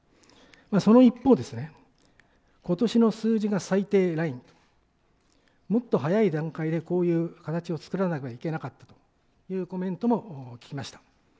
その一方、ことしの数字が最低ライン、もっと早い段階で、こういう形を作らなければいけなかったというというコメントも聞きました。